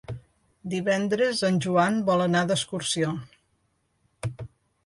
Divendres en Joan vol anar d'excursió.